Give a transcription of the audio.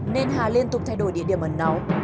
nên hà liên tục thay đổi địa điểm ẩn náu